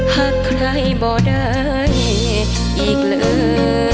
หากใครบ่ได้อีกเลย